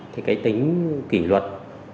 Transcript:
thì cái tính kỷ luật